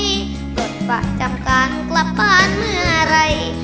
ปลดประจำการกลับบ้านเมื่อไหร่